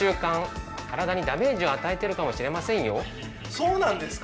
そうなんですか？